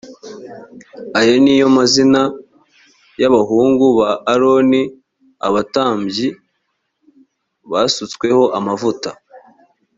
ayo ni yo mazina y abahungu ba aroni abatambyi basutsweho amavuta